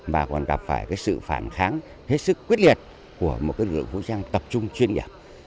mà còn gặp phải sự phản kháng hết sức quyết liệt của một lực lượng vũ trang tập trung chuyên nghiệp